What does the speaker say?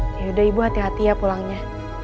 yaudah ibu hati hati ya pulangnya